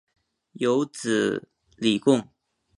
有子李撰。